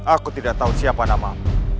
aku tidak tahu siapa nama